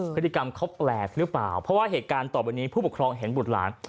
พฤติกรรมเขาแปลกหรือเปล่าเพราะว่าเหตุการณ์ต่อไปนี้ผู้ปกครองเห็นบุตรหลาน